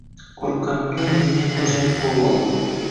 Qo`rqqanimdan yanayam g`ujanak bo`lvoldim